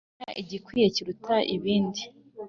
umenya igikwiye kiruta ibindi